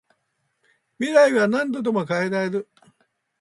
未来は何度でも変えられる